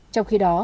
trong khi đó